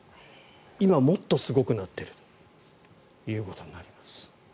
今、もっとすごくなっているということになります。